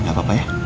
gak apa apa ya